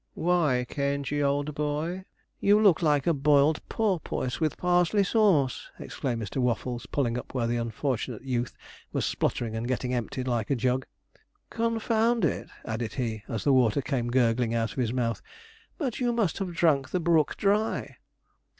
'Why, Caingey, old boy! you look like a boiled porpoise with parsley sauce!' exclaimed Mr. Waffles, pulling up where the unfortunate youth was spluttering and getting emptied like a jug. 'Confound it!' added he, as the water came gurgling out of his mouth, 'but you must have drunk the brook dry.'